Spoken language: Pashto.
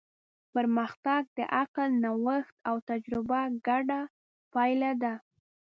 پرمختګ د عقل، نوښت او تجربه ګډه پایله ده.